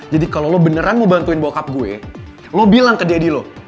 jadi kalo lo beneran mau bantuin bokap gue lo bilang ke daddy lo